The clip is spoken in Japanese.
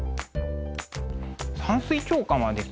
「山水長巻」はですね